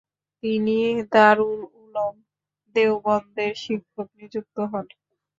তিনি দারুল উলুম দেওবন্দের শিক্ষক নিযুক্ত হন।